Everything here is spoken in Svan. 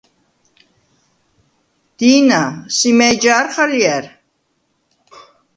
დი̄ნა, სი მა̈ჲ ჯა̄რხ ალჲა̈რ?